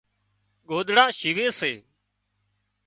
ڳوۮڙان شيوي سي